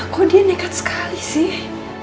kok dia nekat sekali sih